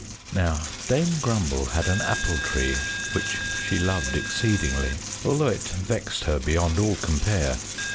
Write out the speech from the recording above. Now Dame Grumble had an Apple Tree which she loved exceedingly, although it vexed her beyond all compare.